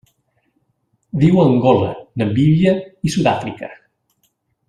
Viu a Angola, Namíbia i Sud-àfrica.